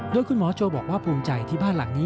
โดยคุณหมอโจบอกว่าภูมิใจที่บ้านหลังนี้